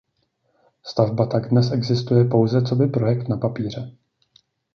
Stavba tak dnes existuje pouze coby projekt na papíře.